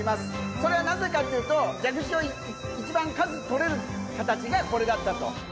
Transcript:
それはなぜかというと、蛇口を一番数取れる形がこれだったと。